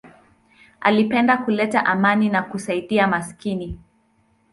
Alipenda kuleta amani na kusaidia maskini.